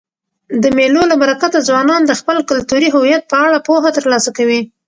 د مېلو له برکته ځوانان د خپل کلتوري هویت په اړه پوهه ترلاسه کوي.